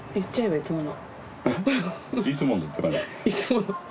いつもの。